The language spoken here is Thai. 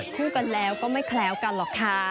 คู่กันแล้วก็ไม่แคล้วกันหรอกค่ะ